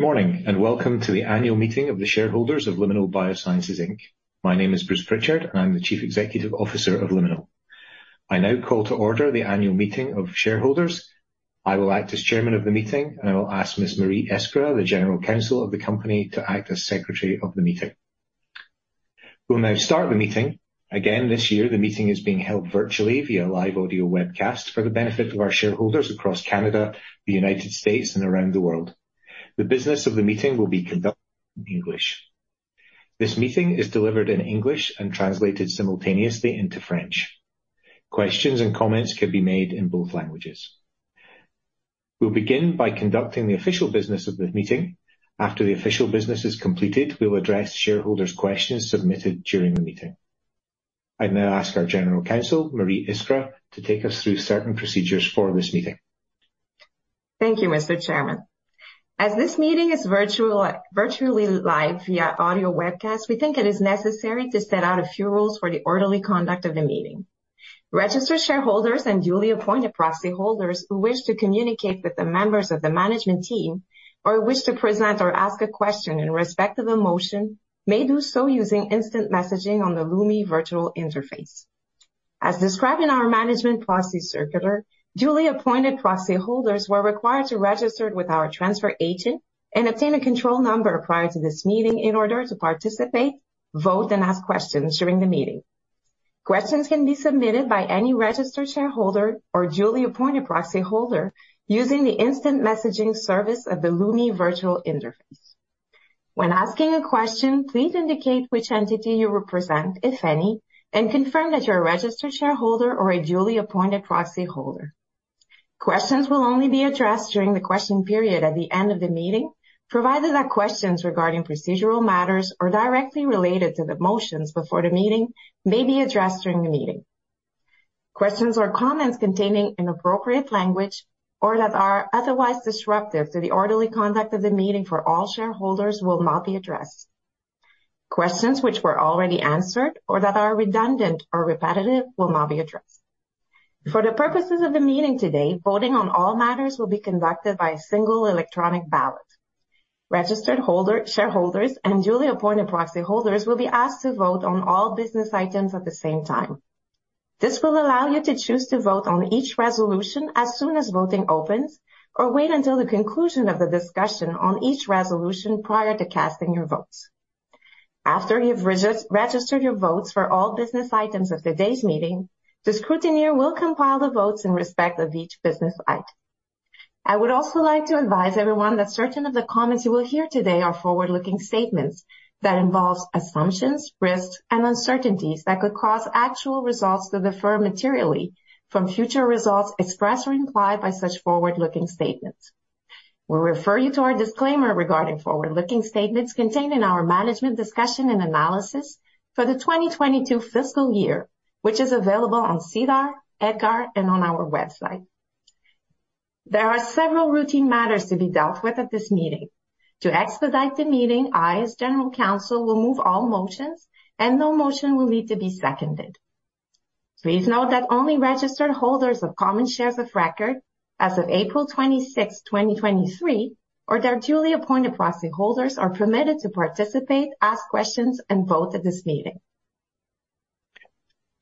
Good morning, and welcome to the annual meeting of the shareholders of Liminal BioSciences Inc. My name is Bruce Pritchard, and I'm the Chief Executive Officer of Liminal. I now call to order the annual meeting of shareholders. I will act as Chairman of the meeting, and I will ask Ms. Marie Iskra, the General Counsel of the company, to act as Secretary of the meeting. We'll now start the meeting. Again, this year, the meeting is being held virtually via live audio webcast for the benefit of our shareholders across Canada, the United States, and around the world. The business of the meeting will be conducted in English. This meeting is delivered in English and translated simultaneously into French. Questions and comments can be made in both languages. We'll begin by conducting the official business of the meeting. After the official business is completed, we'll address shareholders' questions submitted during the meeting. I now ask our General Counsel, Marie Iskra, to take us through certain procedures for this meeting. Thank you, Mr. Chairman. As this meeting is virtually live via audio webcast, we think it is necessary to set out a few rules for the orderly conduct of the meeting. Registered shareholders and duly appointed proxy holders who wish to communicate with the members of the management team or wish to present or ask a question in respect of a motion may do so using instant messaging on the Lumi virtual interface. As described in our management proxy circular, duly appointed proxy holders were required to register with our transfer agent and obtain a control number prior to this meeting in order to participate, vote, and ask questions during the meeting. Questions can be submitted by any registered shareholder or duly appointed proxy holder using the instant messaging service of the Lumi virtual interface. When asking a question, please indicate which entity you represent, if any, and confirm that you're a registered shareholder or a duly appointed proxy holder. Questions will only be addressed during the question period at the end of the meeting, provided that questions regarding procedural matters are directly related to the motions before the meeting may be addressed during the meeting. Questions or comments containing inappropriate language or that are otherwise disruptive to the orderly conduct of the meeting for all shareholders will not be addressed. Questions which were already answered or that are redundant or repetitive will not be addressed. For the purposes of the meeting today, voting on all matters will be conducted by a single electronic ballot. Registered shareholders and duly appointed proxy holders will be asked to vote on all business items at the same time. This will allow you to choose to vote on each resolution as soon as voting opens or wait until the conclusion of the discussion on each resolution prior to casting your votes. After you've registered your votes for all business items of today's meeting, the scrutineer will compile the votes in respect of each business item. I would also like to advise everyone that certain of the comments you will hear today are forward-looking statements that involves assumptions, risks, and uncertainties that could cause actual results to differ materially from future results expressed or implied by such forward-looking statements. We refer you to our disclaimer regarding forward-looking statements contained in our management discussion and analysis for the 2022 fiscal year, which is available on SEDAR, EDGAR, and on our website. There are several routine matters to be dealt with at this meeting. To expedite the meeting, I, as General Counsel, will move all motions and no motion will need to be seconded. Please note that only registered holders of common shares of record as of April 26th, 2023, or their duly appointed proxy holders are permitted to participate, ask questions, and vote at this meeting.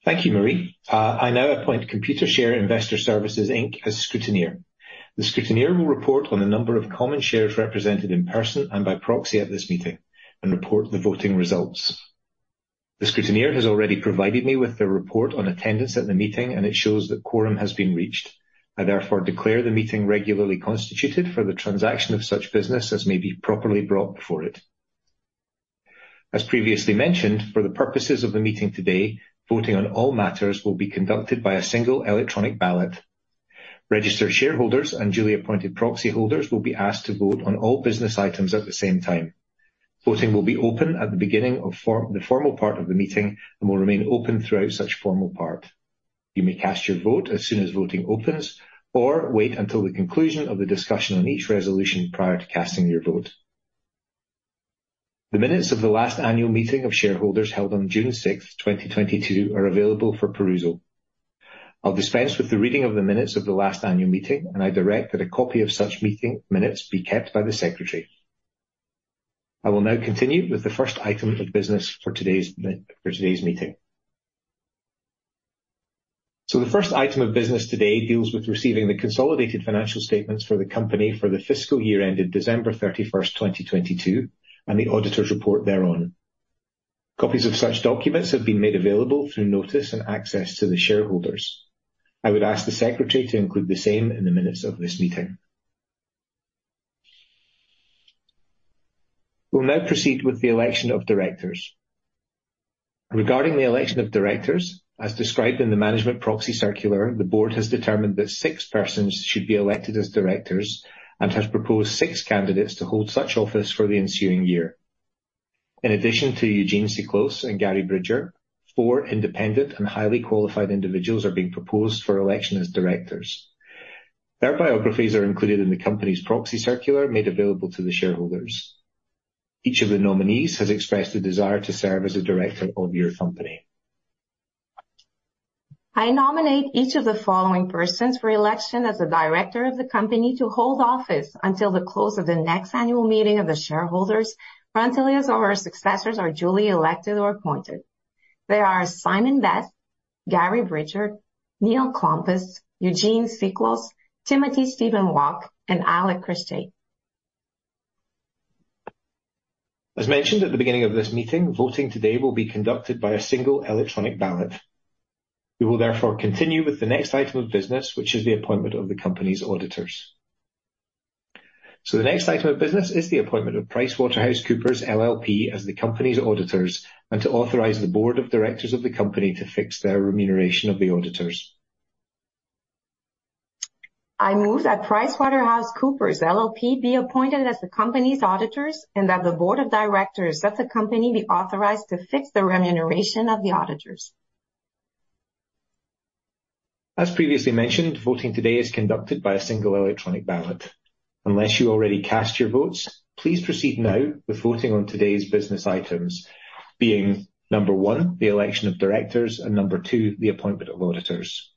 Thank you, Marie Iskra. I now appoint Computershare Investor Services Inc as scrutineer. The scrutineer will report on the number of common shares represented in person and by proxy at this meeting and report the voting results. The scrutineer has already provided me with the report on attendance at the meeting, and it shows that quorum has been reached. I therefore declare the meeting regularly constituted for the transaction of such business as may be properly brought before it. As previously mentioned, for the purposes of the meeting today, voting on all matters will be conducted by a single electronic ballot. Registered shareholders and duly appointed proxy holders will be asked to vote on all business items at the same time. Voting will be open at the beginning of the formal part of the meeting and will remain open throughout such formal part. You may cast your vote as soon as voting opens or wait until the conclusion of the discussion on each resolution prior to casting your vote. The minutes of the last annual meeting of shareholders held on June 6th, 2022, are available for perusal. I'll dispense with the reading of the minutes of the last annual meeting, and I direct that a copy of such minutes be kept by the secretary. I will now continue with the first item of business for today's meeting. The first item of business today deals with receiving the consolidated financial statements for the company for the fiscal year ended December 31st, 2022, and the auditor's report thereon. Copies of such documents have been made available through notice and access to the shareholders. I would ask the secretary to include the same in the minutes of this meeting. We'll now proceed with the election of directors. Regarding the election of directors, as described in the management proxy circular, the board has determined that six persons should be elected as directors and has proposed six candidates to hold such office for the ensuing year. In addition to Eugene Siklos and Gary Bridger, four independent and highly qualified individuals are being proposed for election as directors. Their biographies are included in the company's proxy circular made available to the shareholders. Each of the nominees has expressed a desire to serve as a director of your company. I nominate each of the following persons for election as a director of the company to hold office until the close of the next annual meeting of the shareholders until his or her successors are duly elected or appointed. They are Simon Best, Gary Bridger, Neil Klompas, Eugene Siklos, Timothy Steven Wach, and Alek Krstajic. As mentioned at the beginning of this meeting, voting today will be conducted by a one electronic ballot. We will therefore continue with the next item of business, which is the appointment of the company's auditors. The next item of business is the appointment of PricewaterhouseCoopers LLP as the company's auditors and to authorize the board of directors of the company to fix their remuneration of the auditors. I move that PricewaterhouseCoopers LLP be appointed as the company's auditors and that the board of directors of the company be authorized to fix the remuneration of the auditors. As previously mentioned, voting today is conducted by a single electronic ballot. Unless you already cast your votes, please proceed now with voting on today's business items, being number one, the election of directors, and number two, the appointment of auditors.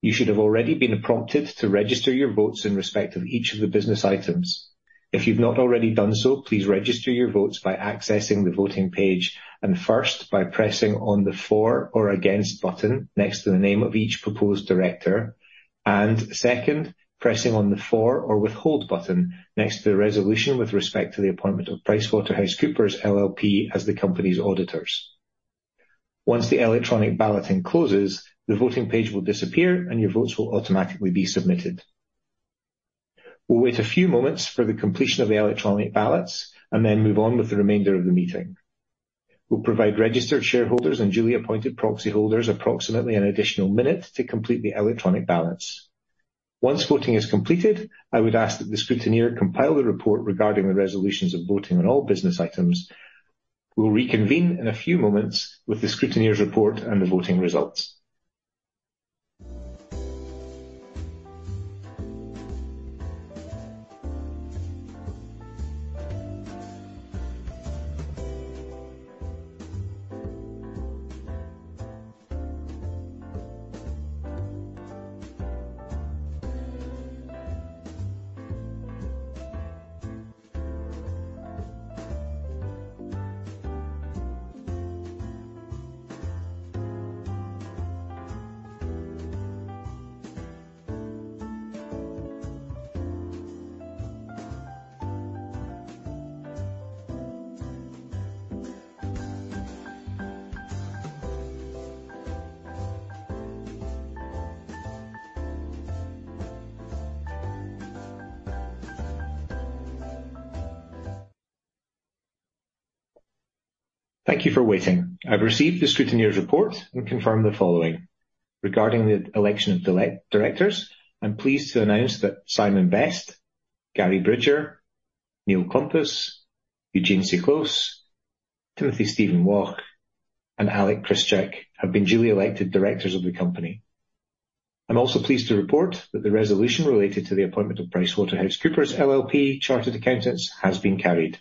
You should have already been prompted to register your votes in respect of each of the business items. If you've not already done so, please register your votes by accessing the voting page and first by pressing on the For or Against button next to the name of each proposed director, and second, pressing on the For or Withhold button next to the resolution with respect to the appointment of PricewaterhouseCoopers LLP as the company's auditors. Once the electronic balloting closes, the voting page will disappear, and your votes will automatically be submitted. We'll wait a few moments for the completion of the electronic ballots and then move on with the remainder of the meeting. We'll provide registered shareholders and duly appointed proxy holders approximately an additional one minute to complete the electronic ballots. Once voting is completed, I would ask that the scrutineer compile the report regarding the resolutions of voting on all business items. We'll reconvene in a few moments with the scrutineer's report and the voting results. Thank you for waiting. I've received the scrutineer's report and confirm the following. Regarding the election of directors, I'm pleased to announce that Simon Best, Gary Bridger, Neil Klompas, Eugene Siklos, Timothy Steven Wach, and Alek Krstajic have been duly elected directors of the company. I'm also pleased to report that the resolution related to the appointment of PricewaterhouseCoopers LLP Chartered Accountants has been carried.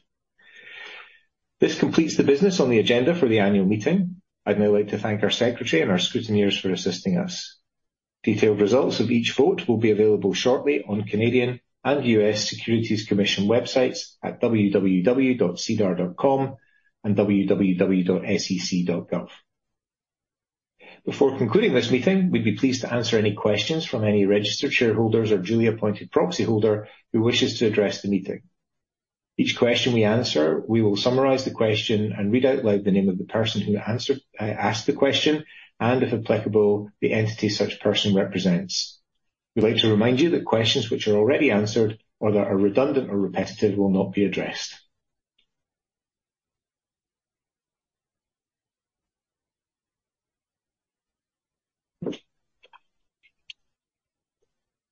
This completes the business on the agenda for the annual meeting. I'd now like to thank our secretary and our scrutineers for assisting us. Detailed results of each vote will be available shortly on Canadian and U.S. Securities Commission websites at www.sedar.com and www.sec.gov. Before concluding this meeting, we'd be pleased to answer any questions from any registered shareholders or duly appointed proxy holder who wishes to address the meeting. Each question we answer, we will summarize the question and read out loud the name of the person who asked the question, and if applicable, the entity such person represents. We'd like to remind you that questions which are already answered or that are redundant or repetitive will not be addressed.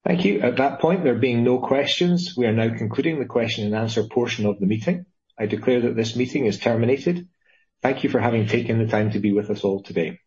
Thank you. At that point, there being no questions, we are now concluding the question and answer portion of the meeting. I declare that this meeting is terminated. Thank you for having taken the time to be with us all today.